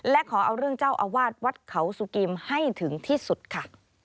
และขอเอาเรื่องเจ้าอาวาสวัดเขาสุกิมให้ถึงที่สุดค่ะ